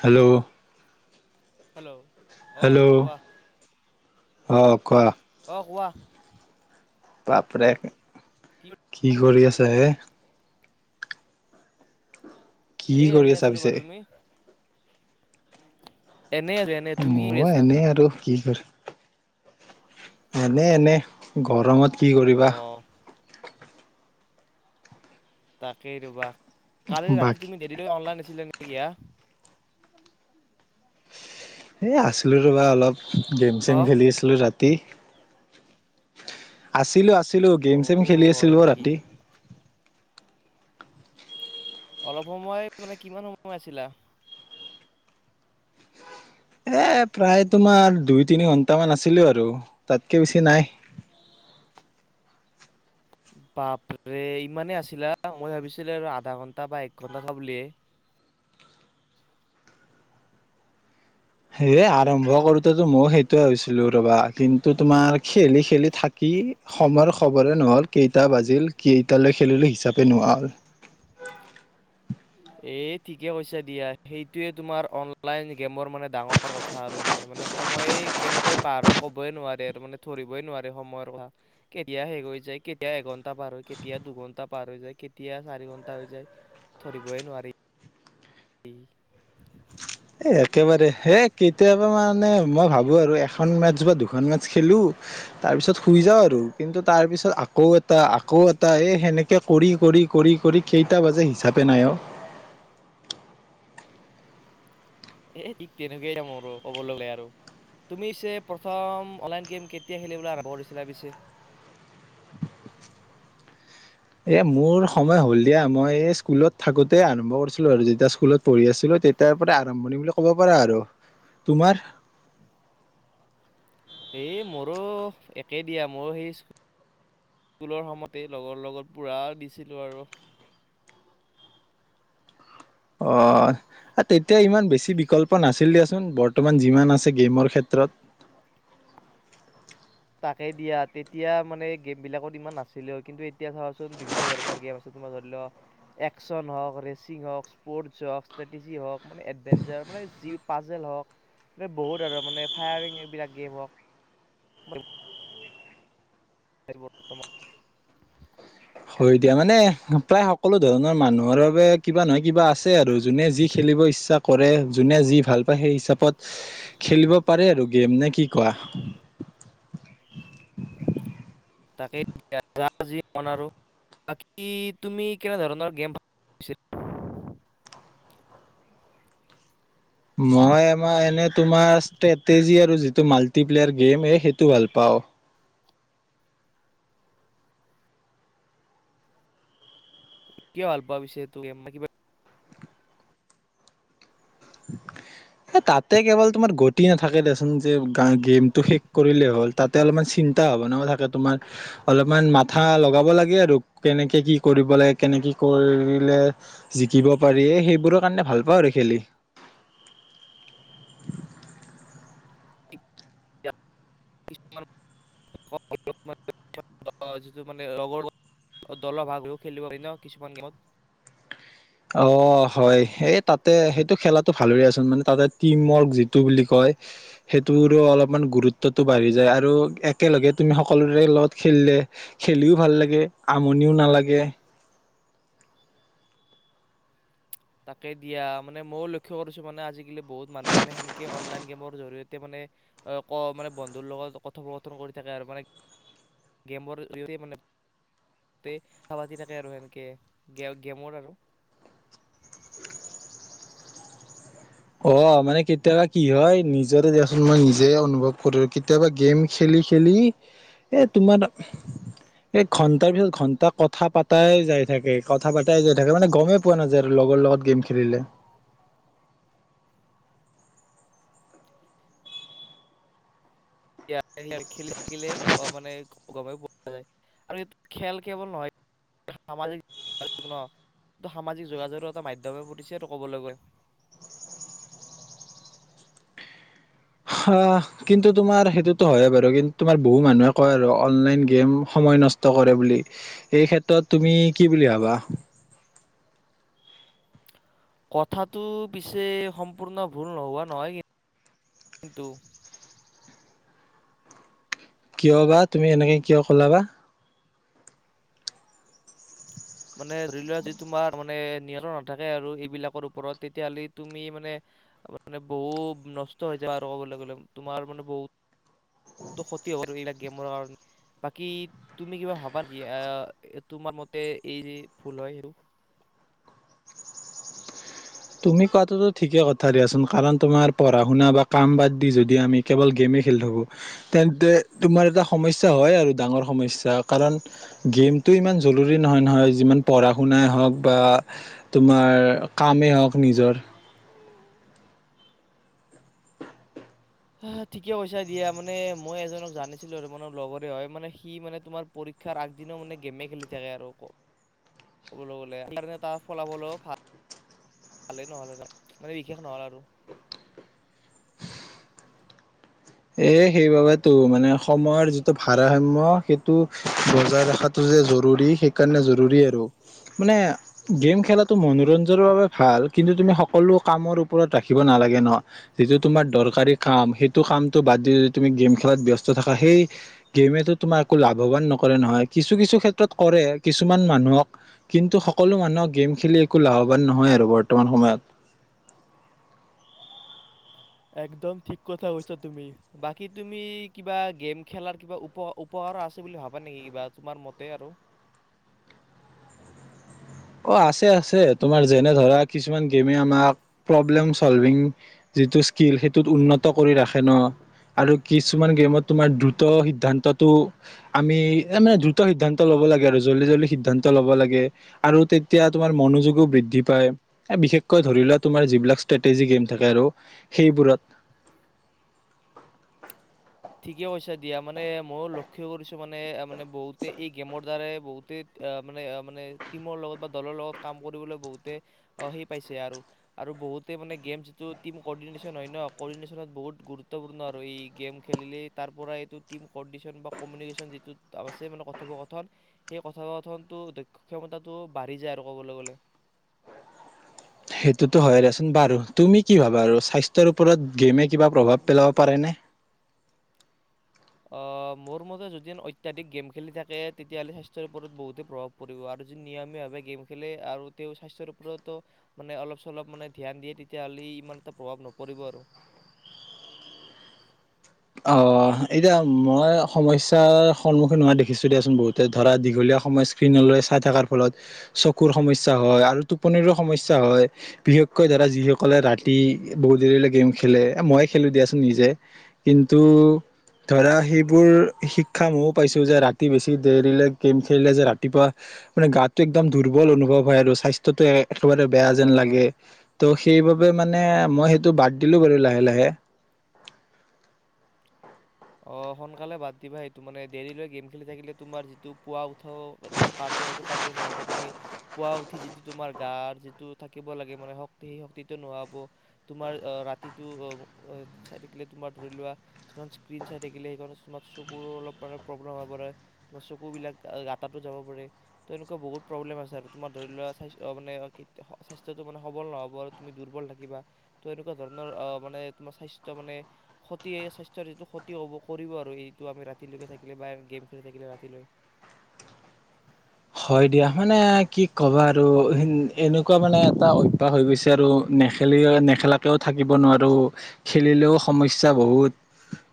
Hello hello অ hello কোৱা অ কোৱা অ কোৱা বাপৰে কি কৰি আছা এ কি এ কৰি এনেই আছা আছো ৰবা পিছে তুমি এনে আছো এনে তুমি কি কৰি মই আছা এনেই আৰু কি কৰ এনে এনে গৰমত কি অ কৰিবা তাকেই ৰব কালি ৰাতি বাকী তুমি দেৰিলৈ অনলাইন আছিলে ন ইয়া এ আছিলো ৰবা অলপ গেম হ চেম খেলি আছিলো ৰাতি তি আছিলো আছিল ছিলো গেম অ চেম খেলি হয় আছিলো নেকি ৰাতি অলপ সময় মানে কিমান সময় আছিলা এ প্ৰায় তোমাৰ দুই তিনি ঘন্টামান আছিলো আৰু তাতকে বেছি নাই বাপৰে ইমানেই আছিলা মই ভাবিছিলো আৰু আধা ঘন্টা বা এক ঘন্টা চাবলিয়ে সেয়ে আৰম্ভ কৰোতেতো মই সেইটোৱে হৈছিলো ৰবা কিন্তু তোমাৰ খেলি খেলি থাকি সময়ৰ খবৰে নহল কেইটা বাজিল কেইটালৈ খেলিলো হিচাপে নোহোৱা হল এই ঠিকে কৈছা দিয়া সেইটোৱে তোমাৰ অনলাইন গেমৰ মানে ডাঙৰ কথা আৰু মানে মানে সময়ে কেনেকৈ পাৰ হয় কবই নোৱাৰে আৰু মান ধৰিবই নোৱাৰে সময়ৰ কথা কেতিয়া দুঘন্টা পাৰ হৈ যায় কেতিয়া চাৰি ঘণ্টা হৈ ঘায় ধৰিবই নোৱাৰি। স [inaudible] এই একেবাৰে হেই কেতিয়াবা মানে মই ভাবোঁ আৰু এখন মেছ বা দুখন মেছ খেলো তাৰপিছত শুই যাওঁ আৰু কিন্তু তাৰ পিছত আকৌ এটা আকৌ এটা এই সেনেকে কৰি কৰি কৰি কৰি কেইটা বাজে হিচাপে নাই আৰু এ ঠিক তেনেকাই মোৰো আৰু কব লগলে আৰু তুমি প্ৰথম অনলাইন গেম কেতিয়া খেলিবলৈ আৰম্ভ কৰিছিলা পিছে এ মোৰ সময় হ'ল দিয়া মই স্কুলত থাকোঁ‌তে আৰম্ভ কৰিছিলো আৰু যেতিয়া স্কুলত পঢ়ি আছিলো তেতিয়াৰ পৰা আৰম্ভণি বুলি কব পাৰা আৰু তোমাৰ এই মোৰো একে দিয়া ময়ো সেই স্কুলৰ সময়তেই লগৰ লগত পুৰা দিছিলোঁ আৰু অ' তেতিয়া ইমান বেছি বিকল্প নাছিল দিয়াচোন বৰ্তমান যিমান আছে গেমৰ ক্ষেত্ৰত তাকে দিয়া তেতিয়া মানে গেম বিলাকত ইমান নাছিলেও কিন্তু এতিয়া চাচোন বিভিন্ন ধৰণৰ গেম আছে তোমাৰ ধৰি লও একচন হওঁক ৰেচিং হওঁক স্পৰ্টছ হওঁক ষ্ট্ৰেটেজি হওঁক মানে এডভেঞ্চাৰ মানে জি পাজেল হওক বহুত আৰু মানে ফায়াৰিং এইবিলাক গেম হওক ব এিৰ প উ্তম [inaudible] হয় দিয়া মানে প্ৰায় সকলো ধৰণৰ মানুহৰ বাবে কিবা নহয় কিবা আছে আৰু যোনে যি খেলিব ইচ্ছা কৰে যোনে যি ভাল পায় সেই হিচাপত খেলিব পাৰে আৰু গেম নে কি কোৱা তাকে যি মন আৰু বাকী তুমি কেনে ধৰণৰ গেম ভ মই আমাৰ এনে তোমাৰ ষ্ট্ৰেটেজি আৰু যিটো মাল্টিপ্লেয়াৰ গেম সেইটো ভাল পাওঁ কিয় হাল্পোৱা বিছেয় ত কি তাতে কেৱল তোমাৰ গতি নাথাকে দেচোন যে গেমটো শেষ কৰিলেই হ'ল তাতে অলপমান চিন্তা ভাৱনাও থাকে তোমাৰ অলপমান মাথা লগাব লাগে আৰু কেনেকে কি কৰিব লাগে কেনেকৈ কি কৰিলে জিকিব পাৰি সেইবোৰৰ কাৰণে ভাল পাওঁ আৰু খেলি [inaudible] যিটো মানেৰ দলৰ ভাগ হৈও খেলিব পাৰি ন কিছুমান গেমত অ হয় এই তাতে সেইটো খেলাটো ভালৰে আচোন মানে তাতে টিম ৱৰ্ক যিটো বুলি কয় সেইটোৰো অলপমান গুৰুত্বটো বাঢ়ি যায় আৰু একেলগে তুমি সকলোৰে লগত খেলিলে খেলিও ভাল লাগে আমনিও নালাগে তাকে দিয়া মানে মইও লক্ষ্য কৰিছো মানে আজিকালি বহুত মানুহে মানে সেনেকে অনলাইন গেমৰ জৰিয়তে মানে মানে বন্ধুৰ লগত কথোপকথন কৰি থাকে আৰু মানে গেমৰ জৰিয়তে থাকে আৰু সেনেকে গেমৰ আৰু অ মানে কেতিয়াবা কি হয় নিজৰে দিয়াচোন মই নিজে অনুভৱ কৰো কেতিয়াবা গেম খেলি খেলি এ তোমাৰ এ ঘন্টাৰ পিছত ঘন্টা কথা পাতাই যাই থাকে কথা পাতাই যাই থাকে মানে গমেই পোৱা নাযায় আৰু লগৰ লগত গেম খেলিলে। খে খেলে অ' মানে গমেই পোৱা যায় আৰু এই খেল কেৱল নহয় সামাজিক ন সামাজিক যোগাযোগৰ এটা মাধ্যমে পৰিছে এইটো কবলৈ গৈ অ কিন্তু তোমাৰ সেইটোতো হয়য়ে বাৰু কিন্তু তোমাৰ বহু মানুহে কয় আৰু অনলাইন গেম সময় নষ্ট কৰে বুলি এই ক্ষেত্ৰত তুমি কি বুলি ভাবা। কথাটো পিছে সম্পূৰ্ণ ভুল নোহোৱা নহয় কিন্তু কিয় বা তুমি এনেকে কিয় কলা বা মানে ধৰি লোৱা যে তোমাৰ মানে নিয়ন্ত্ৰণ নাথাকে আৰু এইবিলাকৰ ওপৰত তেতিয়া হ'লে তুমি মানে মে বহু নষ্ট হৈ যাব আৰু ক'বলৈ গলে তোমাৰ মানে বহুত ক্ষতি হব আৰু এই গেমৰ কাৰনে বাকী তুমি কিবা ভাবা নেকি তোমাৰ মতে। এই যে ভুল হয় সেইটো। তুমি কোৱাটোতো ঠিকেই কথা দিয়াচোন কাৰণ তোমাৰ পঢ়া শুনা বা কাম বাদ দি যদি আমি কেৱল গেমেই খেলি থাকো, তেন্তে তোমাৰ এটা সমস্যা হয় আৰু ডাঙৰ সমস্যা কাৰণ গেমটো ইমান জৰুৰী নহয় নহয় যিমান পঢ়া শুনাই হওঁক বা তোমাৰ কামেই হওঁক। নিজৰ। ঠিকে কৈছা দিয়া মানে মই এজনক জানিছিলো আৰু মনৰ লগৰে হয় মানে সি মানে তোমাৰ পৰীক্ষাৰ আগদিন মানে গেমে খেলি থাকে আৰু কবলে গ'লে সেইকাৰণে তাৰ ফলাফলো ভালে নহ'ল সেকানে মানে বিশেষ নহ'ল আৰু। এ সেইবাবেতো মানে সময়ৰ যিটো ভাৰসাম্য সেইটো বজাই ৰখাটো যে জৰুৰী সেইকাৰণে জৰুৰী আৰু মানে গেম খেলাটো মনোৰঞ্জনৰ বাবে ভাল কিন্তু তুমি সকলো কামৰ ওপৰত ৰাখিব নালাগে ন, যিটো তোমাৰ দৰকাৰী কাম সেইটো কাম বাদ দি যদি তুমি গেম খেলাত ব্যস্ত থাকা সেই গেমো তোমাৰ একো লাভৱান নকৰে নহয়, কিছু কিছু ক্ষেত্ৰত কৰে কিছুমান মানুহক কিন্তু সকলো মানুহক গেম খেলি একো লাভৱান নহয় আৰু বৰ্তমান সময়ত। একদম ঠিক। কথা কৈছা তুমি। বাকী তুমি কিবা গেম খেলাৰ কিবা উপ উপহাৰ আছে বুলি ভাবা নেকি কিবা তোমাৰ মতে আৰু অ আছে আ তোমাৰ যেনে ধৰা কিছুমান গেমে আমাক প্ৰব্লেম চলভিং যিটো স্কিল সেইটোত উন্নত কৰি ৰাখে ন আৰু কিছুমান গেমত তোমাৰ দ্ৰুত সিদ্ধান্তটো আমি মানে দ্ৰুত সিদ্ধান্ত লব লাগে আৰু জল্ডি জল্ডি সিদ্ধান্ত ল'ব লাগে। আৰু তেতিয়া তোমাৰ মনোযোগো বৃদ্ধি পায়, বিশেষকৈ ধৰি লোৱা তোমাৰ যিবিলাক ষ্ট্ৰেটেজি গেম থাকে আৰু সেইবোৰত। ঠিকে কৈছা দিয়া মানে ময়ো লক্ষ্য কৰিছো মানে মানে বহুতে এই গেমৰ দ্বাৰাই বহুতে মানে মানে টিমৰ লগত বা দলৰ লগত কাম কৰিবলৈ বহুতে সেই পাইছে আৰু বহুতে মানে গেম যিটো টিম কাৰডিৰ্নেচন হয় কৰডিৰ্নেচনত বহুত গুৰুত্বপূৰ্ণ আৰু ই গেম। খেলিলেই তাৰ পৰা এইটো টিম কৰডিৰ্নেচন বা কমিউনিকেচন যিটো আছে কথোপকথন সেই কথোপকথনটো দক্ষ ক্ষমতাটো বাঢ়ি যায় আৰু ক'বলৈ গলে। সেইটোতো হয় দেচোন বাৰু তুমি কি ভাবা আৰু স্বাস্থ্যৰ ওপৰত গেমে কিবা প্ৰভাৱ পেলাব পাৰেনে? মোৰ মতে যদি অত্যাধিক গেম খেলি থাকে তেতিয়াহ'লে স্বাস্থ্যৰ ওপৰত বহুতেই প্ৰভাৱ পৰিব আৰু যদি নিয়মীয়াভাৱে গেম খেলে আৰু তেওঁ স্বাস্থ্যৰ ওপৰতো মানে অলপ চলপ মানে ধ্যান দিয়ে তেতিয়াহ'লে ইমান এটা প্ৰভাৱ নপৰিব আৰু। আহ এতিয়া মই সমস্যা সন্মুখীন হোৱা দেখিছো দিয়াচোন বহুতে ধৰা দীঘলীয়া সময় স্ক্ৰীনলৈ চাই থকাৰ ফলত চকুৰ সমস্যা হয় আৰু টোপনি সমস্যা হয়। বিশেষকৈ ধৰা যিসকলে ৰাতি বহুত দেৰিলৈ গেম খেলে মইে খেলো দিয়াচোন নিজে। কিন্তু ধৰা সেইবোৰ শিক্ষা ময়ো পাইছো যে ৰাতি বেছি দেৰিলে গেম খেলিলে যে ৰাতিপুৱা মানে গাটো একদম দুৰ্বল অনুভৱ হয় আৰু স্বাস্থ্যটো একেবাৰে বেয়া যেন হয় লাগে হয় ত সেইবাবে মানে অ মই সেইটো বাত দিলোঁ বাৰু লাহে লাহে অ সোনকালে বাদ দিবা সেইটো মানে দেৰিলৈ গেম খেলি থাকিলে তোমাৰ যিটো পুৱা উঠা যিটো কাৰ্য সেইটো কাৰ্য নহ'ব তুমি পুৱা উঠি যিটো তোমাৰ গাৰ যিটো থাকিব লাগে মানে শক্তি সেই শক্তিটো নোহোৱিব তোমাৰ ৰাতিটো চাই থাকিলে তোমাৰ ধৰি লোৱা স্ত্ৰি ইক্ৰিণ চাই থাকিলে সেইখন তোমাৰ চকুৰ অলপ মানে প্ৰব্লেম হব পাৰে। তোমাৰ চকুবিলাক গাঁতো যাব পাৰে ত' এনেকুৱা বহুত প্ৰব্লেম আছে আৰু তোমাৰ ধৰি লোৱা স মানে স্বাস্থ্যটো মানে সবল নহব আৰু তুমি দুৰ্বল থাকিবা ত' এনেকুৱা ধৰণৰ মানে তোমাৰ স্বাস্থ্য মানে ক্ষতি স্বাস্থ্য যিটো ক্ষতি হ'ব কৰিব আৰু এইটো আমি ৰাতিলৈকে থাকিলে বা গেম খেলি থাকিলে ৰাতিলৈ। হয় দিয়া মানে কি ক'বা আৰু এনেকুৱা মানে এটা অভ্যাস হৈ গৈছে আৰু নেখেলি নেখেলাকৈও থাকিব নোৱাৰোঁ খেলিলেও সমস্যা বহুত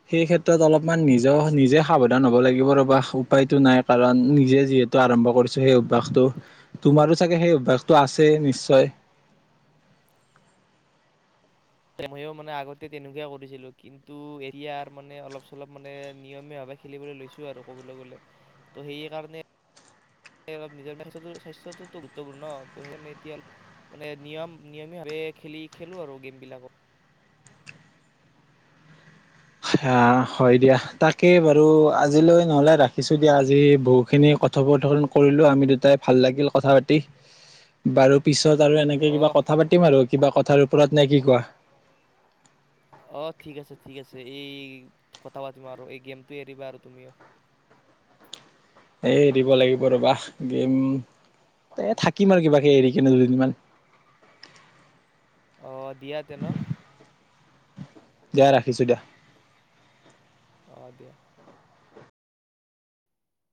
সেই ক্ষেত্ৰত অলপমান নিজৰ নিজে সাৱধান হ'ব লাগিব। ৰবা উপায়টো নাই কাৰণ নিজে যিহেতু আৰম্ভ কৰিছো সেই অভ্যাসটো তোমাৰো চাগে সেই অভ্যাসটো আছে। নিশ্চয় ময়ো মানে আগতে তেনেকুৱাই কৰিছিলো কিন্তু এৰিয়াৰ মানে অলপ চলপ মানে নিয়মীয়া ভাৱে খেলিবলৈ লৈছো আৰু ক'বলৈ গ'লে ত' সেই কাৰণে অলপ নিজৰ স্বাস্থ্যটোতো গুৰুত্বপূৰ্ণ ত' সেইকাৰে এতিয়া অলপ মানে নিয়ম নিয়মীয়াভাৱে খেলি খেলোঁ আৰু গেমবিলাকক হা হয় দিয়া তাকেই বাৰু আজিলৈ নহলে ৰাখিছো দিয়া আজি বহু খিনি কথা বতৰা কৰিলো আমি দুটাই ভাল লাগিল কথা পাতি বাৰু পিছ পিছত আৰু এনেকে কিবা অহ কথা পাতিম আৰু কিবা কথাৰ ওপৰত নে কি কোৱা? অ ঠিক আছে ঠিক আছে এই কথা পাতিম আৰু এই গেমটো এৰিবা আৰু তুমিও। এই এৰিব লাগিব ৰ'বা গেম এই থাকিম আৰু কিবা কিবি এৰি কিনে দুদিনমান। আহ দিয়া তে ন দিয়া ৰাখিছো দিয়া। অ দিয়া।